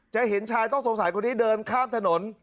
เห็นชายต้องสงสัยคนนี้เดินข้ามถนน